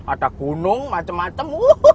ada gunung macem macem